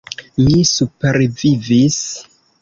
Mi supervivis.